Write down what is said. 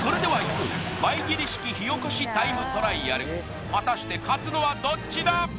こうマイギリ式火おこしタイムトライアル果たして勝つのはどっちだ？